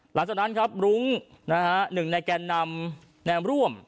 หลังจากนั้นครับรุ้งหนึ่งในแกนนำแนมร่วม